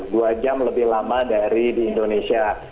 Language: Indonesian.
dua jam lebih lama dari di indonesia